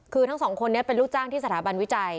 คือทั้งสองคนนี้เป็นลูกจ้างที่สถาบันวิจัย